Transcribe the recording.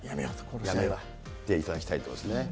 やめていただきたいと思いますね。